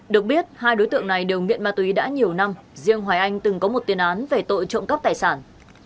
được biết hai đối tượng này đều nghiện ma túy đã nhiều năm riêng hoài anh từng có một tiền án về tội trộm cắp tài sản